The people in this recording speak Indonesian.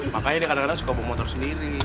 makanya nih kadang kadang suka bawa motor sendiri